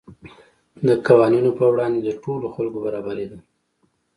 د قوانینو په وړاندې د ټولو خلکو برابري ده.